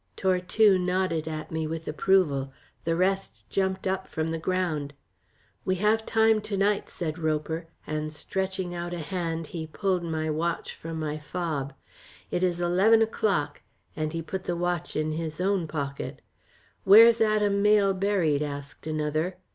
Tortue nodded at me with approval. The rest jumped up from the ground. "We have time to night," said Roper, and stretching out a hand he pulled my watch from my fob. "It is eleven o'clock," and he put the watch in his own pocket. "Where's Adam Mayle buried?" asked another.